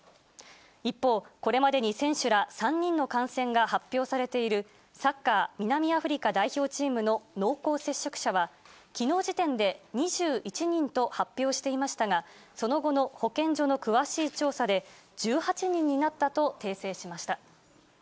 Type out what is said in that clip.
一方、これまでに選手ら３人の感染が発表されているサッカー南アフリカ代表チームの濃厚接触者は、きのう時点で２１人と発表されていましたが、その後の保健所の詳しい調査で１８人になったと訂正しました。